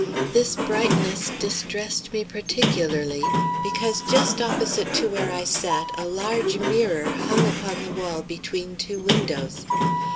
This brightness distressed me particularly, because just opposite to where I sat a large mirror hung upon the wall between two windows.